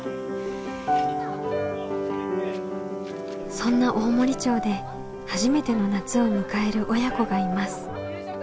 そんな大森町で初めての夏を迎える親子がいます。